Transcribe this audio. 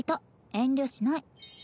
遠慮しない。